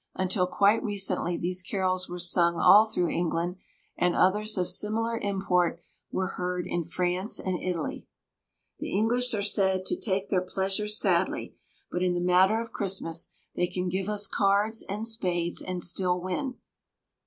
Until quite recently these carols were sung all through England, and others of similar import were heard in France and Italy. The English are said to "take their pleasures sadly," but in the matter of Christmas they can "give us cards and spades and still win."